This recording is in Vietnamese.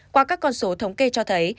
qua các con số thống kê cho thấy